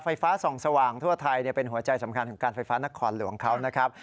ไฟฟ้าส่องสว่างทั่วไทยเป็นหัวใจสำคัญของการไฟฟ้านครหลวงเขานะครับ